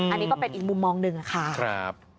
อันนี้ก็เป็นอีกมุมมองหนึ่งค่ะ